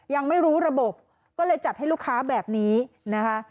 ยังไม่รู้ระบบก็เลยจัดให้ลูกค้าแบบนี้นะคะ